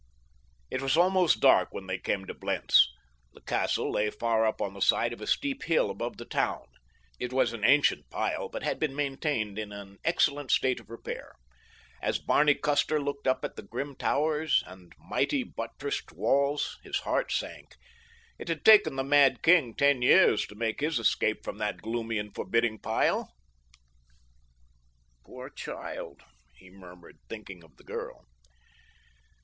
It was almost dark when they came to Blentz. The castle lay far up on the side of a steep hill above the town. It was an ancient pile, but had been maintained in an excellent state of repair. As Barney Custer looked up at the grim towers and mighty, buttressed walls his heart sank. It had taken the mad king ten years to make his escape from that gloomy and forbidding pile! "Poor child," he murmured, thinking of the girl.